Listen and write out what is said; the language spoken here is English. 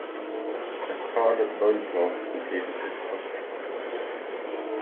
A scarlet loincloth completed his costume.